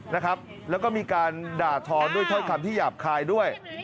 นะครับแล้วก็มีการด่าทอด้วยถ้อยคำที่หยาบคายด้วย